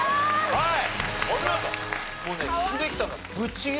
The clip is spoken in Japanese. はい。